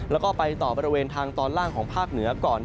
แล้วก็ไปต่อบริเวณทางตอนล่างของภาคเหนือก่อน